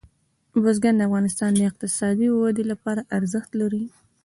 بزګان د افغانستان د اقتصادي ودې لپاره ارزښت لري.